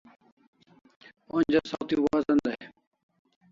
Onja saw thi wazan dai